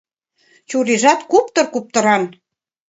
Чурийжат куптыр-куптыран.